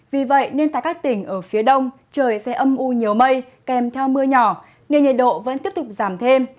vì vậy nên tại các tỉnh ở phía đông trời sẽ âm u nhiều mây kèm theo mưa nhỏ nên nhiệt độ vẫn tiếp tục giảm thêm